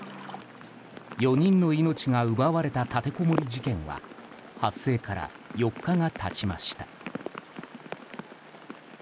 ４人の尊い命が奪われた立てこもり事件は発生から４日が経ちました。